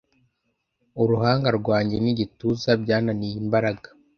uruhanga rwanjye n'igituza byananiye imbaraga